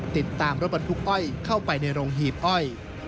ติดตามรถบรรทุกอ้อยเข้าไปในโรงหีบอ้อย